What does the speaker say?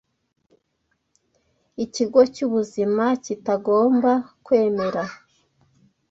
ikigo cy’ubuzima kitagomba kwemera